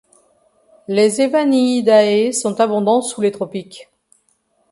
Les Evaniidae sont abondants sous les tropiques.